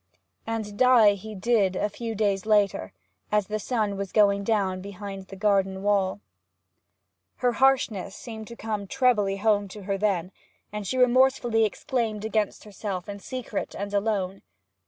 And die he did, a few days later, as the sun was going down behind the garden wall. Her harshness seemed to come trebly home to her then, and she remorsefully exclaimed against herself in secret and alone.